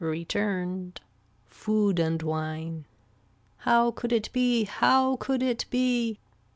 Returned. Food and wine. How could it be how could it be.